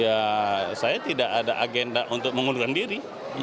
ya saya tidak ada agenda untuk mengundurkan diri